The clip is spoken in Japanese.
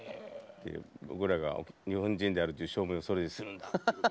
僕らが日本人であるという証明をそれでするんだって。